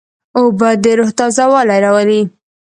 اوبه د روح تازهوالی راولي.